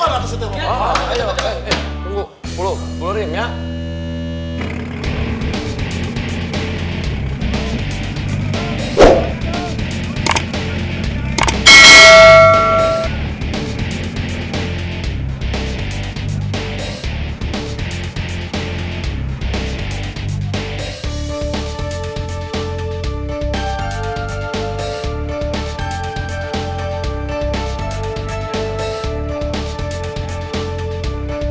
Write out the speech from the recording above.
kalo dia terang terang jadi pengen melung